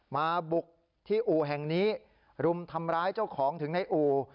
มาบุกที่อู่แห่งนี้รุมทำร้ายเจ้าของถึงในอู่